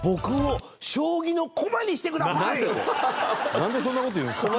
なんでそんな事言うんですか。